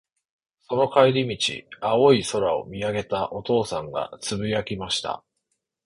その帰り道、青い空を見上げたお父さんが、つぶやきました。